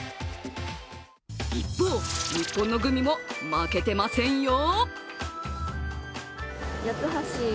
一方、日本のグミも負けてませんよ！